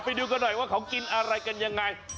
ไปดูกันหน่อยว่าเขากินอะไรกันยังไง